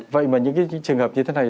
vậy mà những cái trường hợp như thế này